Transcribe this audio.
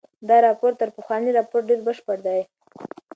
دا راپور تر پخواني راپور ډېر بشپړ دی.